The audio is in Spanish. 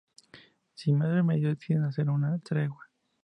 Sin más remedio deciden hacer una tregua.